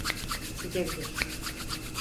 Gidebilir.